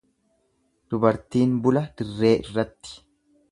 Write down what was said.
Dubartiin bula dirree irratti.